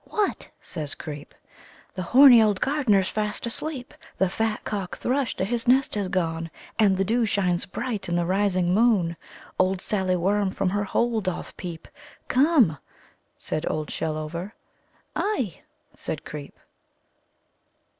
*'What?" says Creep. 'The horny old Gardener's fast asleep; The fat cock Thrush To his nest has gone, And the dew shines bright In the rising Moon; Old Sallie Worm from her hole doth peep; Come!" said Old Shellover, '*Ay!" said Creep.